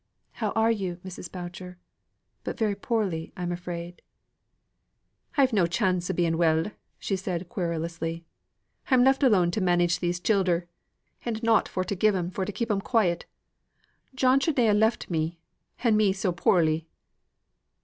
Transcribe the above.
"How are you, Mrs. Boucher? But very poorly, I'm afraid." "I've chance o' being well," said she querulously. "I'm left alone to manage these childer, and nought for to give 'em for to keep 'em quiet. John should na ha' left me, and me so poorly."